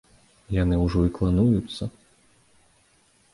Яны ўжо і клануюцца.